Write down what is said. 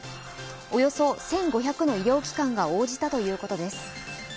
およそ１５００の医療機関が応じたということです。